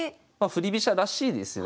振り飛車らしいですよね。